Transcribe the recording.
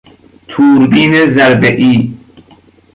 توربین ضربهای